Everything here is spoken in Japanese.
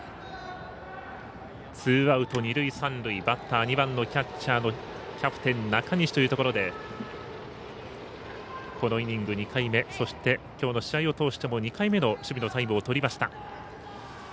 バッター、２番のキャッチャーのキャプテン、中西というところでこのイニング２回目そしてきょうの試合を通しても２回目の守備のタイムをとりました。